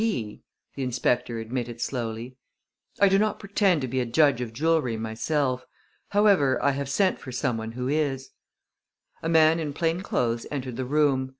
P.," the inspector admitted slowly. "I do not pretend to be a judge of jewelry myself. However, I have sent for some one who is." A man in plain clothes entered the room.